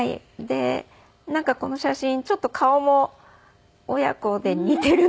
でなんかこの写真ちょっと顔も親子で似ているので。